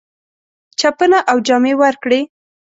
چپنه او جامې ورکړې.